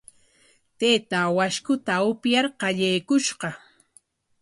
Taytaa washku upyar qallaykushqa.